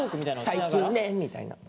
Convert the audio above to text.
「最近ね」みたいな。